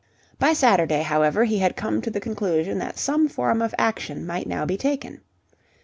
By Saturday, however, he had come to the conclusion that some form of action might now be taken.